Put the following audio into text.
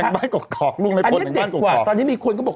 อันนี้เด็ดกว่าตอนนี้มีคนก็บอก